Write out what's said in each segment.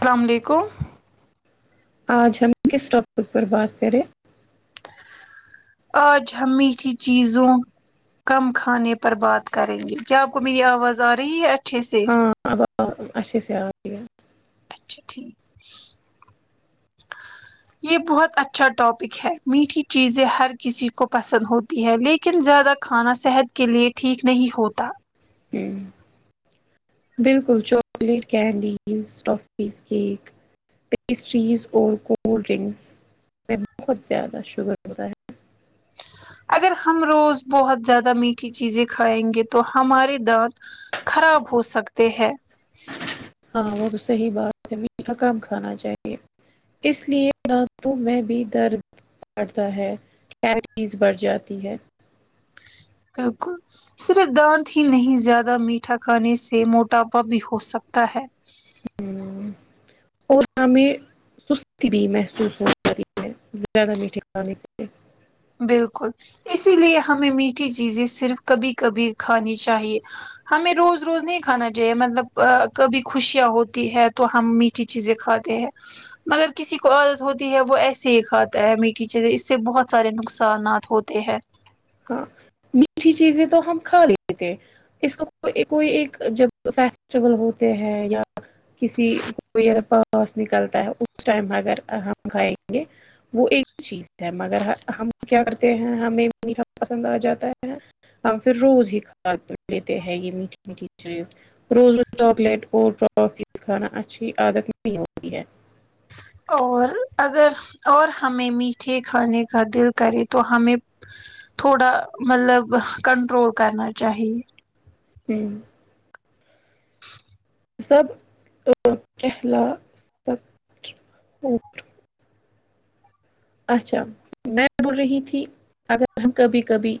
السلام علیکم آج ہم کس ٹاپک پر بات کریں آج ہم میٹھی چیزوں کم کھانے پر بات کریں گے کیا آپ کو میری آواز آ رہی ہے اچھے سے ہاں اب اچھا سے آری اچھا ٹھیک یہ بہت اچھا ٹاپک ہے میٹھی چیزیں ہر کسی کو پسند ہو تی ہے لیکن زیادہ کھانا صحت کے لیے ٹھیک نہیں ہوتا ہوں بالکل chocolate candies toffees cake pastries اور کولڈ ڈرنکس میں بہت زیادہ شوگر ہوتا ہے اگر ہم روز بہت زیادہ میٹھی چیزیں کھائیں گے تو ہمارے دانت خراب ہو سکتے ہیں ہاں وہ تو صحیح بات ہے میٹھا کم کھانا چاہیے اس لیے دانتوں تو میں بھی درد بڑتا ہے کیلیرز بڑھ جاتی ہے کا کو صرف دانت ہی نہیں زیادہ میٹھا کھانے سے موٹاپا بھی ہو سکتا ہے اور ہمیں سستی بھی محسوس ہو جاتی ہے زیادہ میٹھے کھانے سے بالکل اسی لیے ہمیں میٹھی چیزیں صرف کبھی کبھی کھانی چاہیے ہمیں روز روز نہیں کھانا چاہیے مطلب ا کبھی خوشیاں ہوتی ہے تو ہم می ٹھی چیزیں کھاتے ہیں مگر کسی کو عادت ہوتی ہے وہ ایسے ہی کھاتا ہے میٹھی چیزین اس سے بہت سارے نقصانات ہوتے ہیں ہاں میٹھی چیزیں تو ہم کھا لی تھے اس کو کوئی ایک کوئی ایک جب فیسٹیول ہوتے ہیں یا کسی کوئی اگر پا پاس نکلتا ہے اس ٹائم اگر ہم کھائیں گے وہ ایک چیز ہے مگر ہم کیا کرتے ہیں ہمیں میٹھا پسند آ جاتا ہے ہم پھر روز ہی کھاتے پیتے ہے یہ میٹھی میٹھی چیز روز ر چاکلیٹ اورٹوفیز کھانا اچھی عادت نہیں ہوتی ہے اور اگر اور ہمیں میٹھے کھانے کا دل کرے تو ہمیں تھوڑا مطلب ہ کنٹرول کرنا چاہیے ہوں سب کھلا سب [unintelligible] اچھا میں بول رہی تھی اگر ہم کبھی کبھی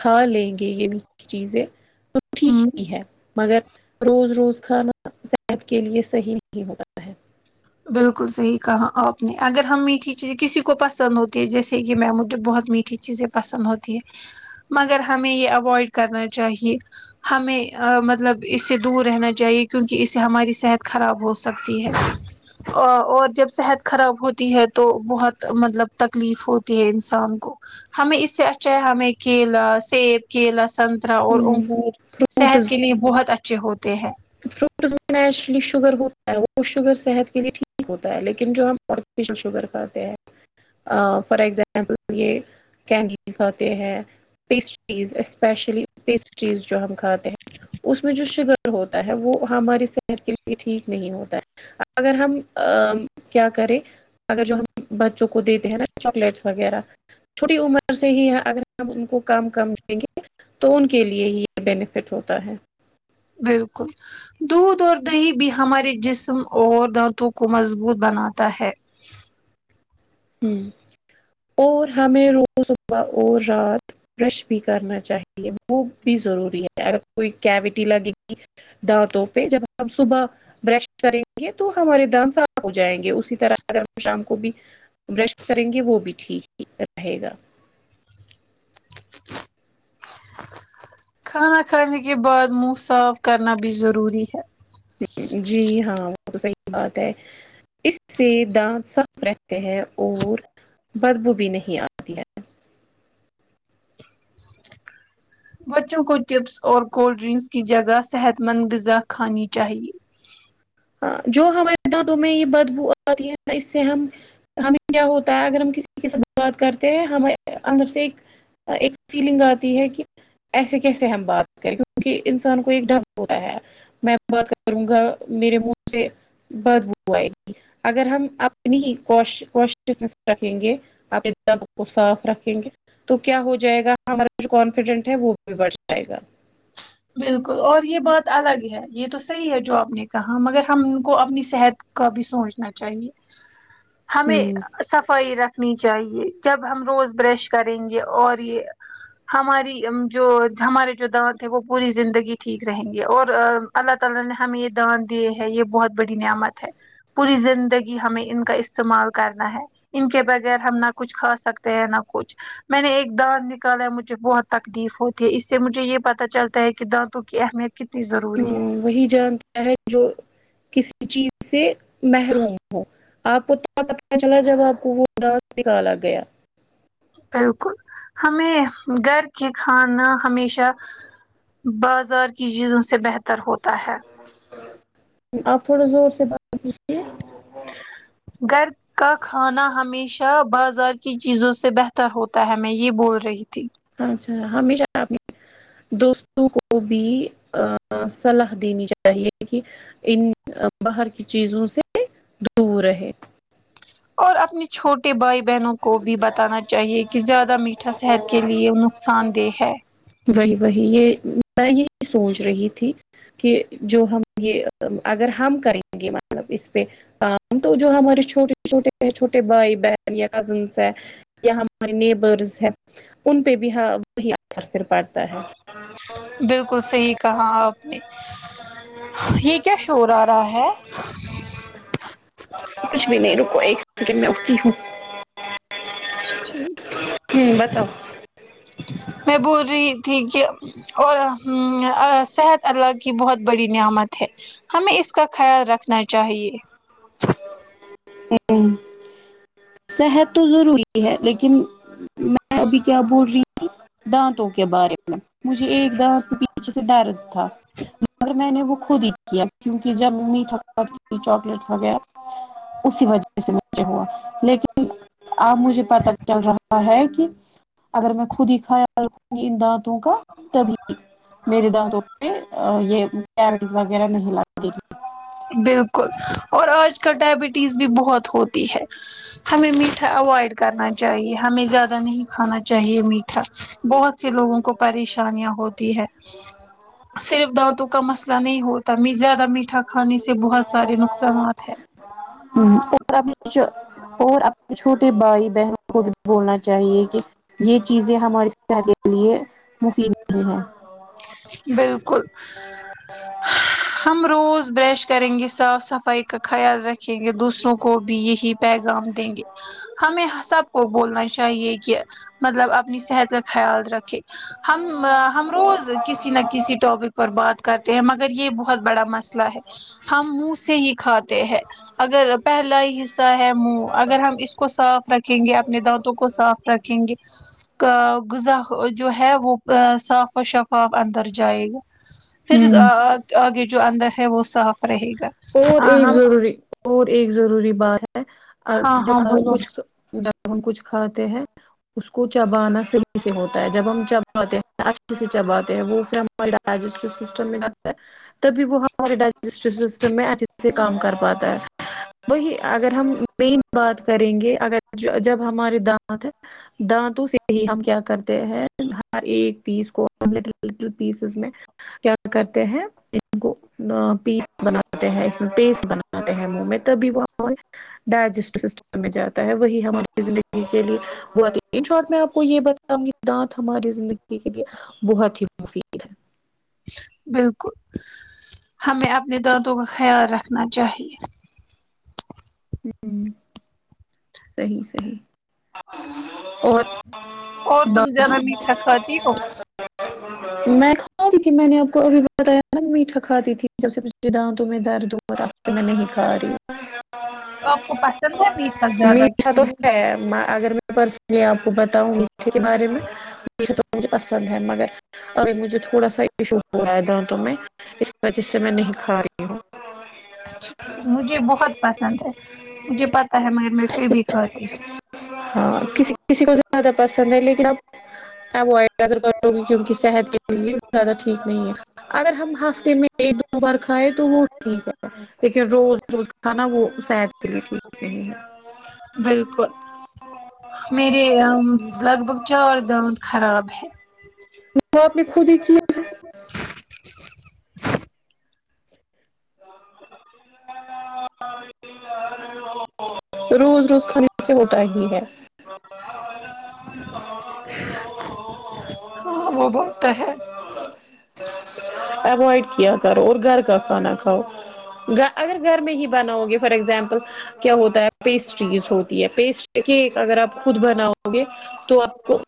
کھا لیں گے یہ میٹھی چیزیں تو ٹھیک ہی ہے مگر روز روز کھانا صحت کے لیے صحیح نہیں ہوتا ہے بالکل صحیح کہا آپ نے اگر ہم میٹھی چیزیں کسی کو پسند ہوتی ہے جیسے کہ میں مجھے بہت میٹھی چیزیں پسند ہوتی ہے مگر ہمیں یہ اوئیڈ کرنا چاہیے ہمیں ا مطلب اس سے دور رہنا چاہیے کیونکہ اس سے ہماری صحت خراب ہو سکتی ہے ا اور جب صحت خراب ہوتی ہے تو بہت مطلب تکلیف ہوتی ہے انسان کو ہمیں اس سے اچھا ہے ہمیں کیلا سیب کیلا سن ترا اور انگور صحت کے لیے بہت اچھے ہوتے ہیں فروٹس میں نیچرلی شوگر ہوتا ہے وہ شوگر صحت کے لیے ٹھیک ہوتا ہے لیکن جو ہم آرٹیفیشیل شوگر کھاتے ہیں فار ایگزامپل یہ کینڈیز آتے ہیں پیسٹریز اسپیشلی پیسٹریز جو ہم کھاتے ہیں اس میں جو شگر ہوتا ہے وہ وہ ہماری صحت کے لیے ٹھیک نہیں ہوتا اگر ہم ا کیا کریں اگر جو ہم بچوں کو دیتے ہیں نا چاکلیٹس وغیرہ چھوٹی عمر سے ہی اگر ہم ان کو کم کم دیں گے تو ان کے لیے ہی بینیفٹ ہوتا ہے بالکل دودھ اور دہی بھی ہمارے جسم اور دانتوں کو مضبوط بناتا ہے ہوں اور ہمیں روز صبح اور رات برش بھی کرنا چاہیے وہ بھی ضروری ہے اگر کوئی کیوٹی لگے گی دانتوں پہ جب ہم صبح برش کریں گے تو ہمارے دانت صاف ہو جائیں گے اسی طرح شام کو بھی برش کریں گے وہ بھی ٹھیک ہی رہے گا کھانا کھانے کے بعد منہ صاف کرنا بھی ضروری ہے جی ہاں وہ تو صحیح بات ہے اس سے دانت صاف رہتے ہیں اور بدبو بھی نہیں آ ہوتی ہے بچوں کو چپس اور کولڈ ڈرنکس کی جگہ صحت مند غذا کھانی چاہیے ہاں جو ہمارے دانتوں میں یہ بدبو آتی ہے اس سے ہم ہمیں کیا ہوتا ہے اگر ہم کسی ق سے بات کرتے ہیں ہمیں اندر سے ایک ایک فیلنگ آتی ہے کہ ایسے کیسے ہم بات کریں کیونکہ انسان کو ایک ڈر ہوتا ہے میں بات کروں گا میرے منہ سے بدب آئے گی اگر ہم اپنی کو کوش رکھیں گے آپ ا پنے دانتوں کو صاف رکھیں گے تو کیا ہو جائے گا ہمارا جو کانفیڈنٹ ہے وہ بھی بڑھ جائے گا بالکل اور یہ بات الگ ہے یہ تو صحیح ہے جو آپ نے کہا مگر ہم کو اپنی صحت کا بھی سوچنا چاہیے ہمیں ہوں صفائی رکھ نی چاہیے جب ہم روز برش کریں گے اور یہ ہماری جو ہمارے جو دانت ہے وہ پوری زندگی ٹھیک رہیں گے اور اللہ تعالی نے ہمیں یہ دوا دیے ہیں یہ بہت بڑی نعمت ہے پوری زندگی ہمیں ان کا استعمال کرنا ہے ان کے بغیر ہم نہ کچھ کھا سکتے ہیں نہ کچھ میں نے ایک دانت نکالا ہے مجھے بہت تکلیف ہوتی ہے اس سے مجھے یہ پتا چلتا پیر کے دانتوں کی اہمیت کتنی ضروری ہے وہی جانتا ہے جو کسی چیز سے محروم ہو آپ ات پتہ چلا جب آپ کو وہ دات نکالا گیا بالکل ہمیں گھر کے کھانا ہمیشہ بازار کی چیزوں سے بہتر ہوتا ہے آپ تھوڑے زور سے بات اسے گھر کا کھانا ہمیشہ بازار کی چیزوں سے بہتر ہوتا ہے میں یہ بول رہی تھی اچھا ہمیشہ اپنی دوستوں کو بھی صلاح دینی چاہیے کہ ان باہر کی چیزوں سے دور رہے اور اپنے چھوٹے بھائی بہنوں کو بھی بتانا چاہیے کہ زیادہ میٹھا صحت کے لیے نقصان دہ ہے وہی وہی یہ میں یہی سوچ رہی تھی کہ جو ہم یہ اگر ہم کریں گے مطلب اس پہ کا ہم تو جو ہمارے چھوٹے چھوٹے چھوٹے بھائی بہن یا کزنس ہے یا ہمارے نیبرز ہے ان پہ بھی ہا وہی اثر پھر پڑھتا ہے بالکل صحیح کہاں آپ نے یہ کیا شور آ رہا ہے کچھ بھی نہیں رکو ایک سیکنڈ میں اٹھتی ہوں اچھا ٹھیک ہوں بتاؤ میں بول رہی تھی کہ اور ہوں صحت اللہ کی بہت بڑی نعمت ہے ہمیں اس کا خیال رکھنا چاہیے ہوں صحت تو ضروری ہے لیکن میں ابھی کیا بول رہی دانتوں کے بارے میں مجھے ایک دانت پ یچھے سے درد تھا مگر میں نے وہ خود ہی کیا کیونکہ جب میٹھا کھاتی ٹھی چاکلیٹ وغیرہ اسی وجہ سے مجھے ہوا لیکن اب مجھے پتہ چل رہا ہے کہ اگر میں خود ہی کھایا کرؤنگی دانت دانتوں کا تبھی میرے دانتوں پہ یہ کپز وغیرہ نہیں لگتی بالکل اور آج کل ڈائبٹیز بھی بہت ہوتی ہے ہمیں میٹھا اوائڈ کرنا چاہیے ہمیں زیادہ نہیں کھانا چاہیے میٹھا بہت سے لوگوں کو پریشانیاں ہوتی ہے صرف دانتوں کا مسئلہ نہیں ہوتا می زیادہ میٹھا کھانے سے بہت سارے نقصانات ہے ہوں [unintelligible] اور اپنے چھوٹے بھائی بہنوں کو بھی بولنا چاہیے کہ یہ چیزیں ہماریے صحت کے لیے مفید نہیں ہے بالکل ہ ہم روز برش کریں گی صاف صفائی کا خیال رکھیں گے دوسروں کو بھی یہی پیغام دیں گے ہمیں ہاں سب کو بولنا چاہیے کہ مطلب اپنی صحت کا خیال رکھے ہم ا ہم روز کسی نہ کسی ٹاپک پر بات کرتے ہیں مگر یہ بہت بڑا مسئلہ ہے ہم منہ سے ہی کھاتے ہیں اگر پہلا ہی حصہ ہے منہ اگر ہم اس کو صاف رکھیں گے اپنے دانتوں کو صاف رکھ یں گے کا غذا جو ہے وہ ا صاف و شفاف اندر جائے گا پھر ہوں دانت آگے جو اندر ہے وہ صاف رہے گا اور ہاں ایک ہم ضروری اور ایک ضروری بات ہےو ہاں ہاں جب ہم بولو کچھ جب ہم کچھ کھاتے ہیں اس کو چبانا صحیح سے ہوتا ہے جب ہم چباتے ہیں اچھے سے چباتے ہیں وہ پھر ہم وہ ڈجسٹیو سسٹم ڈالتا ہے تب بھی وہ ہمارے ڈجسٹیو سسی سے کام کر پاتا ہے وہی اگر ہم مین بات کریں گے اگر ج جب ہمارے دانت ہے دانتوں سے ہی ہم کیا کرتے ہیں ہر ایک پیس کو [unintelligible] پیسز میں کیا کرتے ہیں ان کو نا پیس بناتے ہیں اس میں پیسٹ بناتے ہیں منہ میں تبھی وہ بائل ڈائجسٹیو سسٹم میں جاتا ہے وہی ہماری زندگی کے لیے بہت ہی ان شارٹ میں آپ کو یہ بتا دے دانت ہماری زندگی کے لیے بہت ہی مفید بالکل ہمیں اپنے دانتوں کا خیال رکھنا چاہیے ہوں صحیح صحیح اور اور تم ذرا میٹھا کھاتی ہو میں کھاتی تھی میں نے آپ کو ابھی بتایا نا میٹھا کھاتی تھی جب سے پچھلی دانتوں میں درد ہو رات کو میں نہیں لکھا رہی آپ کو پسند ہے میٹھا زیادہ کی میٹھا تو تیکھا ہے اگر میں پرسنلی آپ کو بتاؤں میٹھے کے بارے میں میٹھا تو مجھے پسند ہے مگر ارے مجھے تھوڑا سا ایشو ہے دانتوں میں اسی وہجے سے میں نہیں کھا رہی ہوں اچھا ٹھیک ہے مجھے بہت پسند ہے مجھے پتا ہے مگر میں پھر بھی کھاتی ہوں ہاں کسی کسی کو زیادہ پسند ہے لیکن اب اوائڈ کردو تم کیوں کی صحت کے لیے زیادہ ٹھیک نہیں ہے اگر ہم ہفتے میں ایک دو بار کھائے تو وہ ٹھیک ہےپھر روز روز کھانا وہ صحت کے لیے ٹھیک نہیں ہے بالکل میرے ام لگ بھگ چار دانت خراب ہے جو آپ نے خود ہی کیا روز روز کھانے سے ہوتا ہی ہے ہاں وہ تو ہے اوائڈ کیا کرو گھر کا کھانا کھاؤ گ اگر گھر میں ہی بناؤ گے فار ایگزامپل کیا ہوتا ہے پیسٹریز ہوتی ہے پیسٹری کیک اگر آپ خود بناؤ گے تو آپ کو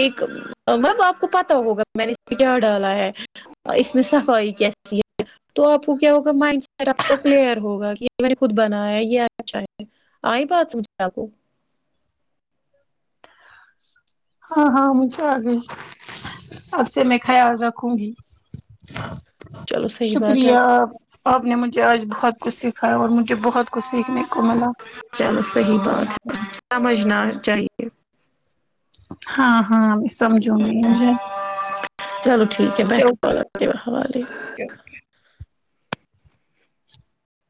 ایک میم آپ کو پتا ہوگا میں نے اس میں کیا ڈالا ہے ا اس میں صفائی کیا تو آپ کو کیا ہوگا مائنڈ سیٹ آپ کا کلیئر ہوگا کہ میں نے خود بنایا ہے یہ اچھا ہے آئی بات [unintelligible] آ کو ہاں ہاں نیچے آ گئی اب سے میں خیال رکھوں گی چلو صحیح بات ہے شکریہ آپ آ آپ نےمجھے آج بہت کچھ سکھایا اور مجھے بہت کچھ سیکھنے کو ملا چلو صحیح بات ہے سمجھنا چاہیے ہاں ہاں میں سمجوں گی چلو ٹھیک ہے بیٹھ اچھا کر بات اوکے کرتے ہے حوالے مے